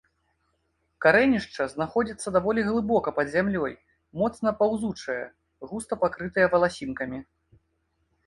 Карэнішча знаходзіцца даволі глыбока пад зямлёй, моцна паўзучае, густа пакрытае валасінкамі.